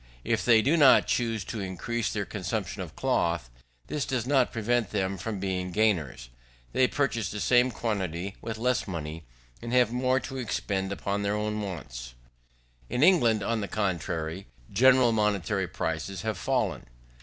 If they do not choose to increase their consumption of cloth, this does not prevent them from being gainers. They purchase the same quantity with less money, and have more to expend upon their other wants. In England, on the contrary, general money prices have fallen.